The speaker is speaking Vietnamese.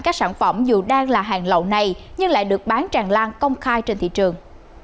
các sản phẩm dù đang là hàng lậu này nhưng lại được bán tràn lan công khai trên thị trường